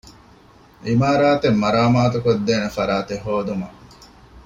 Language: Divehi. ޢިމާރާތެއް މަރާމާތުކޮށްދޭނެ ފަރާތެއް ހޯދުމަށް